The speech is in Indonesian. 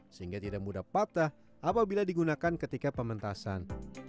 sehingga tidak mudah patah apabila digunakan ketika pementasan